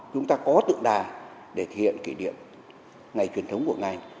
chúng ta có tự đà để thể hiện kỷ niệm ngày truyền thống của ngài